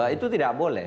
itu tidak boleh